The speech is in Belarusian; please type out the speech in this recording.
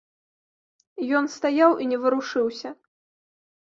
Ён стаяў і не варушыўся.